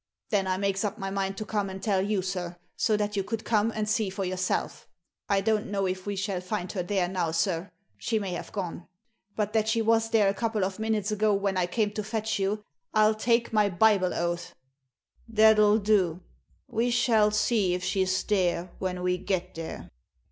Then I makes up my mind to come and tell you, sir, so that you could come and see for your self. I don't know if we shall find her there now, sir : she may have gone. But that she was there a couple of minutes ago, when I came to fetch you, I'll take my Bible oath !"" That'll da We shall see if she's there when we get there."